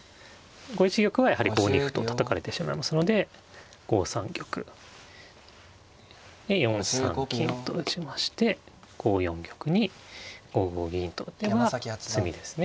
５一玉はやはり５二歩とたたかれてしまいますので５三玉で４三金と打ちまして５四玉に５五銀と打てば詰みですね。